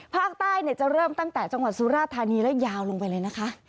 ภาคใต้จะเริ่มตั้งแต่จังหวัดสุราธานีแล้วยาวลงไปเลยนะคะ